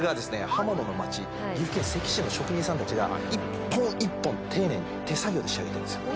刃物の町岐阜県関市の職人さんたちが一本一本丁寧に手作業で仕上げてるんですよ